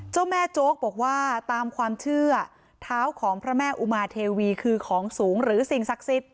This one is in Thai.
เจ้าแม่โจ๊กบอกว่าตามความเชื่อเท้าของพระแม่อุมาเทวีคือของสูงหรือสิ่งศักดิ์สิทธิ